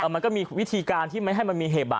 มันก็มีวิธีการที่ไม่ให้มันมีเหตุ